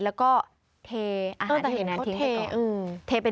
แล้วก็เทอาหารที่เห็นนั้นทิ้งไปก่อน